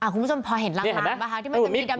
คุณผู้ชมพอเห็นหลังบ้างค่ะ